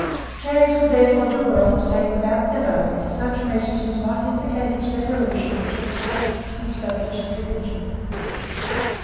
James would therefore do well to take without delay such measures as might indicate his resolution to protect the established religion.